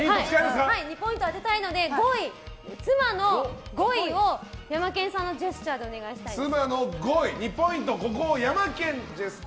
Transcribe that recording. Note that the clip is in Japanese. ２ポイント当てたいので妻の５位をヤマケンさんのジェスチャーでお願いしたいです。